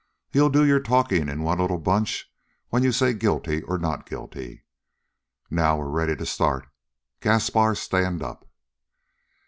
You'll do your talking in one little bunch when you say guilty or not guilty. Now we're ready to start. Gaspar, stand up!"